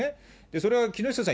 それは木下さん